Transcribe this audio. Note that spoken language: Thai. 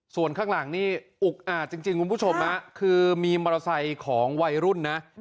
ส่วนข้างหลังนี่อุกอาจจริงคุณผู้ชมคือมีมอเตอร์ไซค์ของวัยรุ่นนะ